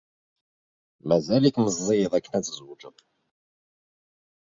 Mazal-ik meẓẓiyed akken ad tzewǧed.